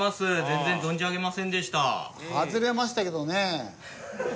外れましたけどね。